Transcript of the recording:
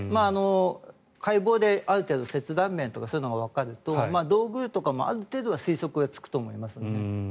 解剖である程度切断面とかそういうのがわかると道具とかもある程度は推測がつくと思いますね。